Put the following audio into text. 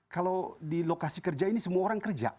kalau di lokasi kerja ini semua orang kerja